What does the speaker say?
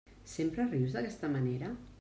Sempre rius d'aquesta manera?